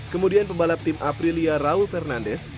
kemudian pembalap tim aprilia raul fernandes